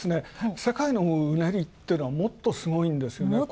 世界のうねりっていうのは、もっとすごいんですよね。